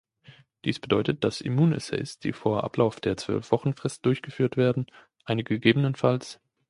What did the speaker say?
Dies bedeutet, dass Immunassays, die vor Ablauf der Zwölf-Wochen-Frist durchgeführt werden, eine ggf.